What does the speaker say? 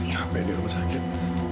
capek di rumah sakit